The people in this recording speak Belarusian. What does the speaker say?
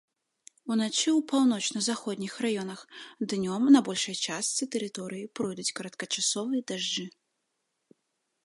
Уначы ў паўночна-заходніх раёнах, днём на большай частцы тэрыторыі пройдуць кароткачасовыя дажджы.